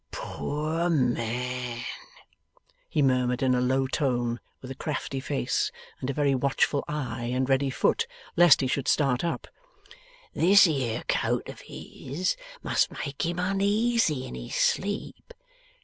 'Poor man!' he murmured in a low tone, with a crafty face, and a very watchful eye and ready foot, lest he should start up; 'this here coat of his must make him uneasy in his sleep.